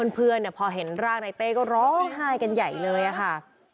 เพื่อนน่ะพอเห็นร่างนายเต้ก็ร้องหายกันใหญ่เลยีค่ะ